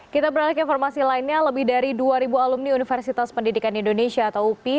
kita beralih ke informasi lainnya lebih dari dua alumni universitas pendidikan indonesia atau upi